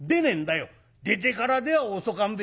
「出てからでは遅かんべ」。